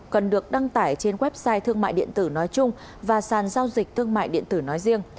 cần được đăng tải trên website thương mại điện tử nói chung và sàn giao dịch thương mại điện tử nói riêng